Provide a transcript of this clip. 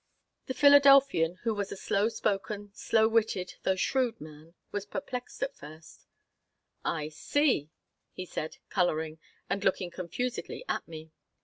The Philadelphian, who was a slow spoken, slow witted, though shrewd, man, was perplexed at first "I see," he said, coloring, and looking confusedly at me.